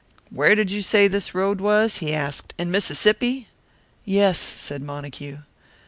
"Where did you say this road was?" he asked. "In Mississippi?" "Yes," said Montague.